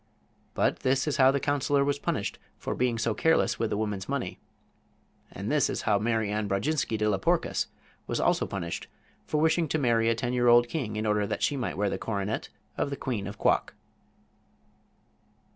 But this is how the counselor was punished for being so careless with the woman's money. And this is how Mary Ann Brodjinski de la Porkus was also punished for wishing to marry a ten year old king in order that she might wear the coronet of the queen of Quok.